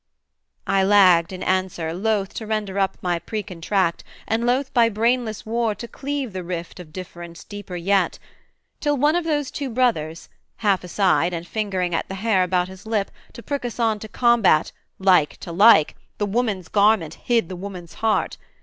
I lagged in answer loth to render up My precontract, and loth by brainless war To cleave the rift of difference deeper yet; Till one of those two brothers, half aside And fingering at the hair about his lip, To prick us on to combat 'Like to like! The woman's garment hid the woman's heart.'